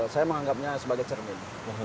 saya menganggapnya sebagai cermin